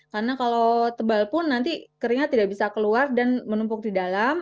karena kalau tebal pun nanti keringat tidak bisa keluar dan menumpuk di dalam